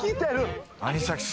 アニサキス